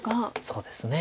そうですね